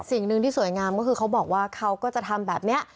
สิ่งหนึ่งที่สวยงามก็คือเขาบอกว่าเขาก็จะทำแบบนี้